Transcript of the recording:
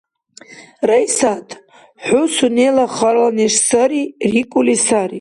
– Раисат… хӀу сунела хала неш сари рикӀули сари.